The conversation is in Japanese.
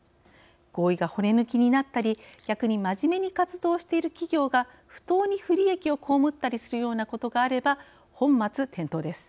合意が骨抜きになったり、逆に真面目に活動をしている企業が不当に、不利益を被ったりするようなことがあれば本末転倒です。